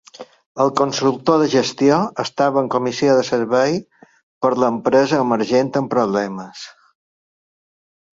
El consultor de gestió estava en comissió de servei per a l'empresa emergent en problemes